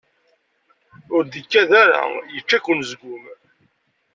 Ur d-ikad ara yečča-k unezgum.